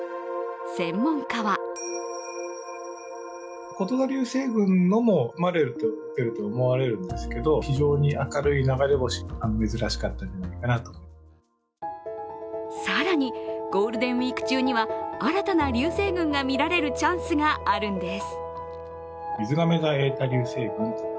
専門家は更にゴールデンウイーク中には新たな流星群が見られるチャンスがあるんです。